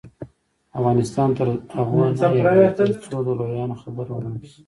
افغانستان تر هغو نه ابادیږي، ترڅو د لویانو خبره ومنل شي.